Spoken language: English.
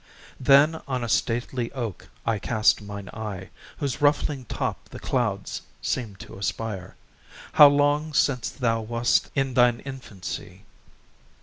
Then on a stately oak I cast mine eye, Whose ruffling top the clouds seem'd to aspire; How long since thou wast in thine infancy?